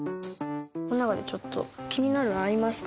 この中でちょっと気になるのありますか？